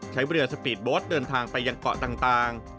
ใช้เรือสปีดโบสต์เดินทางไปยังเกาะต่าง